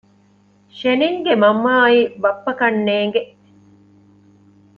ޝެނިންގެ މަންމައާއި ބައްޕަ ކަންނޭނގެ